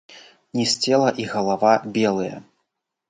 Ніз цела і галава белыя.